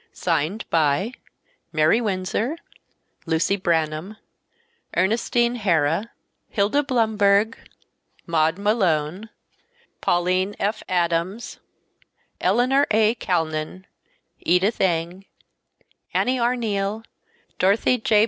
Signed by, MARY WINSOR, LUCY BRANHAM, ERNESTINE HARA, HILDA BLUMBERG, MAUD MALONE, PAULINE F. ADAMS, ELEANOR. A. CALNAN, EDITH AINGE, ANNIE ARNEIL, DOROTHY J.